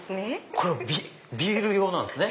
これはビール用なんすね。